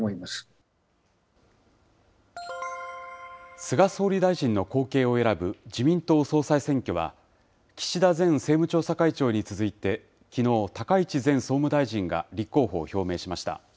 菅総理大臣の後継を選ぶ自民党総裁選挙は、岸田前政務調査会長に続いて、きのう、高市前総務大臣が立候補を表明しました。